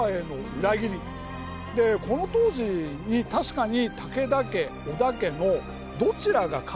この当時に確かに。